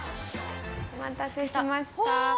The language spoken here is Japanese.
お待たせしました。